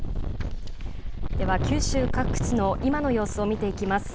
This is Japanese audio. では九州各地の今の様子を見ていきます。